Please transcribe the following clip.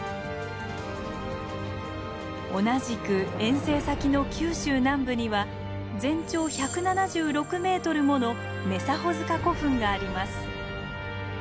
同じく遠征先の九州南部には全長１７６ｍもの女狭穂古墳があります。